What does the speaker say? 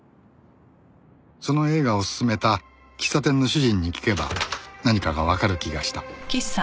その映画を薦めた喫茶店の主人に聞けば何かがわかる気がした